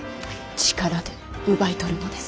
力で奪い取るのです。